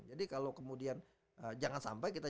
jadi kalau kemudian jangan sampai kita